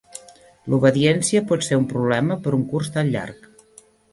L'obediència pot ser un problema per un curs tan llarg.